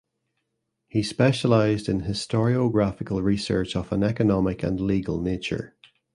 He specialized in historiographical research of an economic and legal nature.